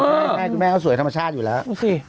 ใช่คุณแม่เขาสวยธรรมชาติอยู่แล้ว